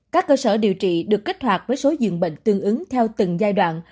các cơ sở điều trị được kích hoạt với số dường bệnh tương ứng theo từng giai đoạn